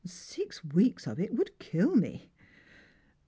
Six weeks of it would kill me."